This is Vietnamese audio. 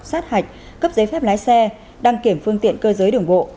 sát hạch cấp giấy phép lái xe đăng kiểm phương tiện cơ giới đường bộ